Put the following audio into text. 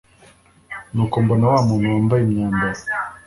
nuko mbona wa muntu wambaye imyambaro